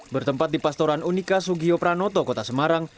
bertempat di pastoran unika sugiyo pranoto kota semarang